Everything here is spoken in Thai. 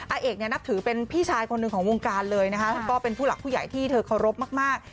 อาเอกเนี่ยนับถือเป็นพี่ชายคนหนึ่งของวงการเลยนะคะก็เป็นผู้หลักผู้ใหญ่ที่เธอเคารพมาก